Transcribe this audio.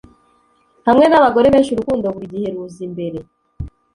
Hamwe nabagore benshi urukundo burigihe ruza imbere